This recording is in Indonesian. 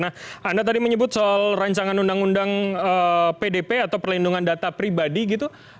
nah anda tadi menyebut soal rancangan undang undang pdp atau perlindungan data pribadi gitu